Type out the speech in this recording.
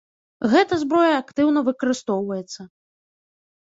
Гэта зброя актыўна выкарыстоўвацца.